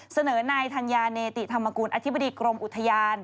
เสนอนายธัญญาเนติธรรมกุลอธิบดีกรมอุทยาน